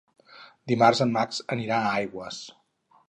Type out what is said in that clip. Dimarts en Max anirà a Aigües.